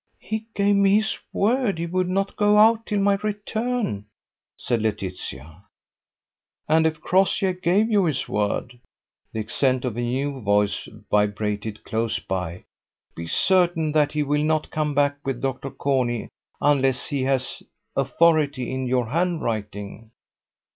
"He gave me his word he would not go out till my return," said Laetitia. "And if Crossjay gave you his word," the accents of a new voice vibrated close by, "be certain that he will not come back with Dr. Corney unless he has authority in your handwriting."